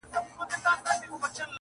ځواني نه پټېږي.